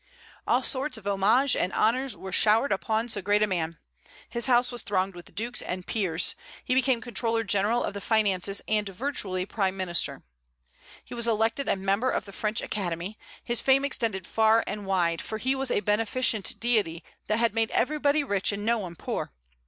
All sorts of homage and honors were showered upon so great a man. His house was thronged with dukes and peers; he became controller general of the finances, and virtually prime minister. He was elected a member of the French Academy; his fame extended far and wide, for he was a beneficent deity that had made everybody rich and no one poor.